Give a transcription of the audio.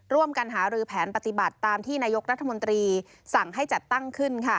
ร่วมกันหารือแผนปฏิบัติตามที่นายกรัฐมนตรีสั่งให้จัดตั้งขึ้น